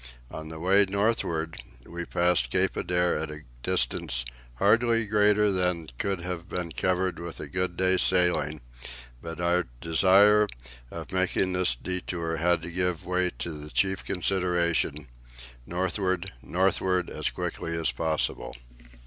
On the way northward we passed Cape Adare at a distance hardly greater than could have been covered with a good day's sailing; but our desire of making this detour had to give way to the chief consideration northward, northward as quickly as possible.